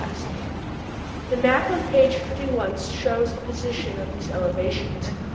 The map on page 51 shows the position of these elevations.